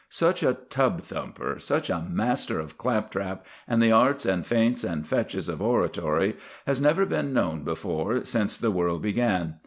Such a tub thumper, such a master of claptrap and the arts and feints and fetches of oratory, has never been known before since the world began.